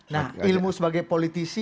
nah ilmu sebagai politisi